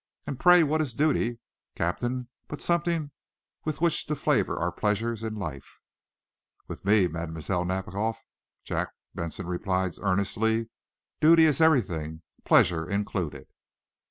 "And pray what is duty, Captain, but a something with which to flavor our pleasures in life?" "With me, Mlle. Nadiboff," Jack Benson replied, earnestly, "duty is everything, pleasure included."